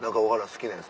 好きなやつ。